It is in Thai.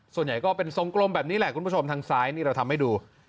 ส่วนใหญ่ก็เป็นทรงกลมแบบนี้แหละคุณผู้ชมทางซ้ายนี่เราทำให้ดู